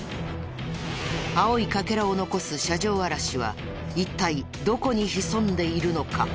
青い欠片を残す車上荒らしは一体どこに潜んでいるのか？